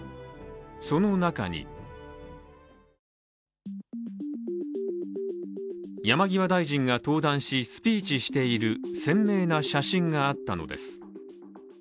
その中に山際大臣が登壇し、スピーチしている鮮明な写真があったのです。